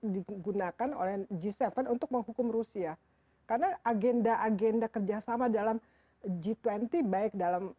digunakan oleh g tujuh untuk menghukum rusia karena agenda agenda kerjasama dalam g dua puluh baik dalam